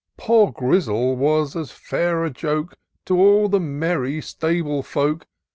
Poor Grizzle was as fair a joke To all the merry stable folk.